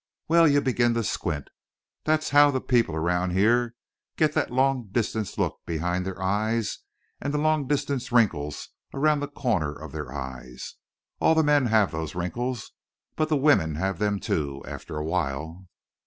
Well, you begin to squint. That's how the people around here get that long distance look behind their eyes and the long distance wrinkles around the corners of their eyes. All the men have those wrinkles. But the women have them, too, after a while.